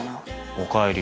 おかえり。